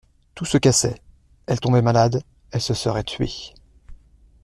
Tout se cassait, elle tombait malade, elle se serait tuée.